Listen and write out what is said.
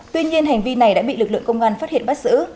tuy nhiên hành vi này đã bị lực lượng công an phát hiện bắt giữ